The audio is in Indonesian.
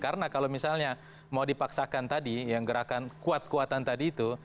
karena kalau misalnya mau dipaksakan tadi yang gerakan kuat kuatan tadi itu